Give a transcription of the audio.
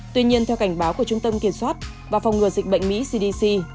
tuy nhiên theo cảnh báo của trung tâm kiểm soát và phòng ngừa dịch bệnh mỹ cdc